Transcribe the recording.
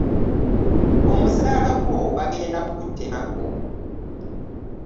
Omusaala gwo bagenda kugutemako.